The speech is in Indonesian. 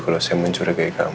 kalau saya mencurigai kamu